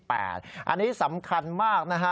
อันนี้สำคัญมากนะฮะ